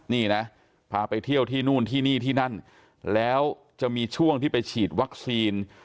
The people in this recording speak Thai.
นี่นะพาไปเที่ยวที่นู่นที่นี่ที่นั่นแล้วจะมีช่วงที่ไปฉีดวัคซีน